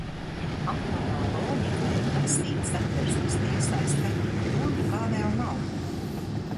Aplamā loģika ir prasīt Satversmes tiesai skatīt to, kā vēl nav.